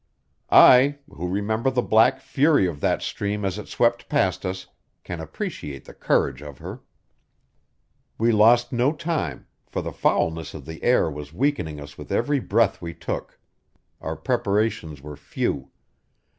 I, who remember the black fury of that stream as it swept past us, can appreciate the courage of her. We lost no time, for the foulness of the air was weakening us with every breath we took. Our preparations were few.